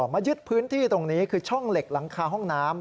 มายึดพื้นที่ตรงนี้คือช่องเหล็กหลังคาห้องน้ำ